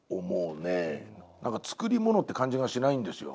作り物って感じがしないんですよ。